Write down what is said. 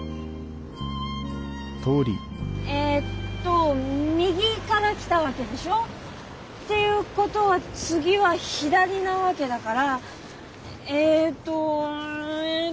えっと右から来たわけでしょ？っていうことは次は左なわけだからえっとうんえっと。